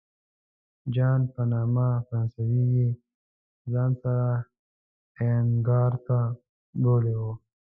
جان په نامه فرانسوی یې ځان سره الینګار ته بیولی و.